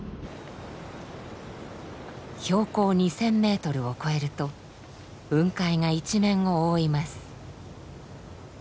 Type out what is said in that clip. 標高２，０００ｍを超えると雲海が一面を覆います。